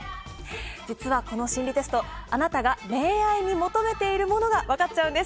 実は、この心理テストあなたが恋愛に求めているものが分かっちゃうんです。